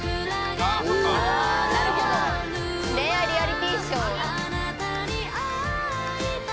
「恋愛リアリティーショーの」